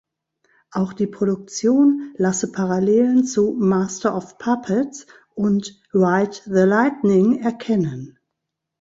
Auch die Produktion lasse Parallelen zu "Master of Puppets" und "Ride the Lightning" erkennen.